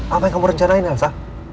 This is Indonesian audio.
apa yang kamu rencanain elsa